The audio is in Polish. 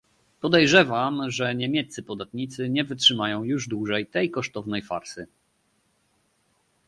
Podejrzewam, że niemieccy podatnicy nie wytrzymają już dłużej tej kosztownej farsy